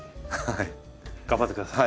頑張ってください。